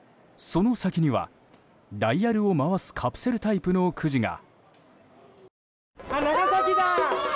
その先には、ダイヤルを回すカプセルタイプのくじが。